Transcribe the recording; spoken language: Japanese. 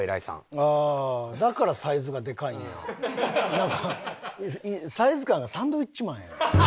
なんかサイズ感がサンドウィッチマンやん。